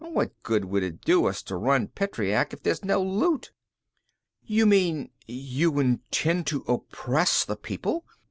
What good would it do us to run Petreac if there's no loot?" "You mean you intend to oppress the people?